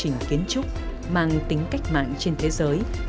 các công ty kiến trúc mang tính cách mạng trên thế giới